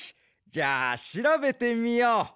じゃあしらべてみよう。